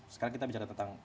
sekarang kita bicara tentang